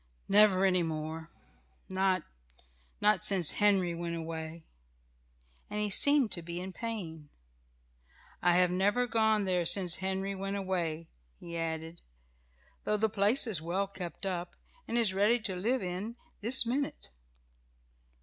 "Never any more. Not not since Henry went away," and he seemed to be in pain. "I have never gone there since Henry went away," he added, "though the place is well kept up, and it is ready to live in this minute."